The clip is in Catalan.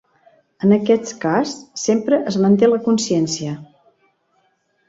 En aquest cas sempre es manté la consciència.